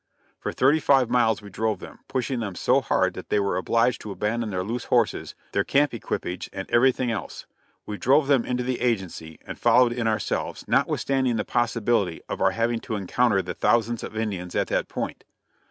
For thirty five miles we drove them; pushing them so hard that they were obliged to abandon their loose horses, their camp equipage and everything else. We drove them into the agency, and followed in ourselves, notwithstanding the possibility of our having to encounter the thousands of Indians at that point.